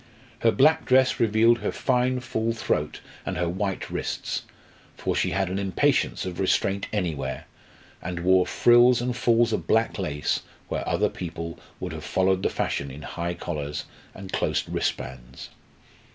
Her black dress revealed her fine full throat and her white wrists, for she had an impatience of restraint anywhere, and wore frills and falls of black lace where other people would have followed the fashion in high collars and close wristbands.